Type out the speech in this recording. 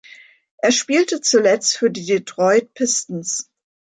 Er spielte zuletzt für die Detroit Pistons.